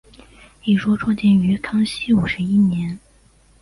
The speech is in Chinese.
一说创建于康熙五十一年。